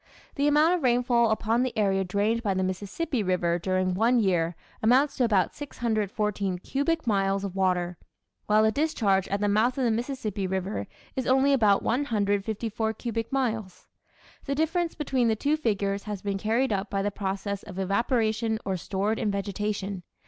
The amount of rainfall upon the area drained by the Mississippi River during one year amounts to about 614 cubic miles of water, while the discharge at the mouth of the Mississippi River is only about 154 cubic miles. The difference between the two figures has been carried up by the process of evaporation or stored in vegetation.